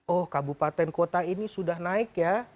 oh kabupaten kota ini sudah naik ya